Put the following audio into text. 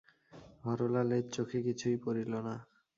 হরলালের চোখে কিছুই পড়িল না।